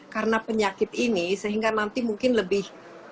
karena penyakit ini sehingga nanti mungkin lebih